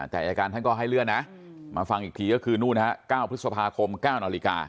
แต่อายการท่านก็ให้เลื่อนนะมาฟังอีกทีก็คือนู่นฮะ๙พฤษภาคม๙นาฬิกา